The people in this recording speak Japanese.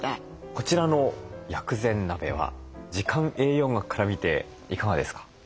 こちらの薬膳鍋は時間栄養学から見ていかがですか？